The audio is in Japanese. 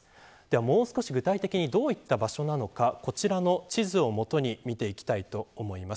もう少し具体的にどういった場所なのかこちらの地図を元に見ていきたいと思います。